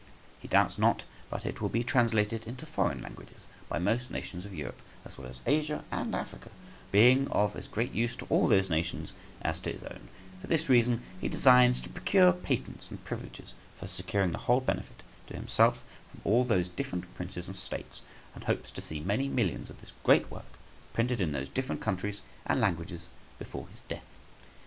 He doubts not but it will be translated into foreign languages by most nations of Europe, as well as Asia and Africa, being of as great use to all those nations as to his own; for this reason he designs to procure patents and privileges for securing the whole benefit to himself from all those different princes and states, and hopes to see many millions of this great work printed in those different countries and languages before his death.